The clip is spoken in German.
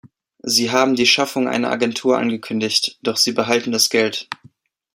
Sie haben die Schaffung einer Agentur angekündigt, doch Sie behalten das Geld.